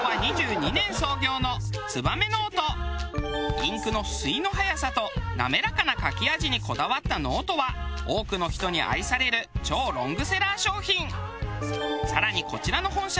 インクの吸いの速さと滑らかな書き味にこだわったノートは多くの人に愛される超ロングセラー商品。